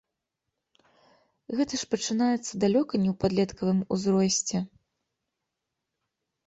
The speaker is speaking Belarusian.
Гэта ж пачынаецца далёка не ў падлеткавым узросце.